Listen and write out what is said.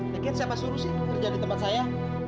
mungkin siapa suruh sih kerja di tempat saya